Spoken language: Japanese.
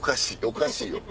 おかしいよ。